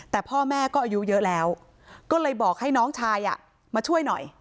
แต่พ่อแม่ก็อายุเยอะแล้วก็เลยบอกให้น้องชายมาช่วยหน่อย